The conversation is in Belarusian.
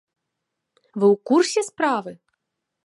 Вы ў курсе справы?